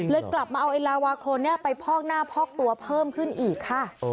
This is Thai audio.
กลับมาเอาไอ้ลาวาโครนไปพอกหน้าพอกตัวเพิ่มขึ้นอีกค่ะ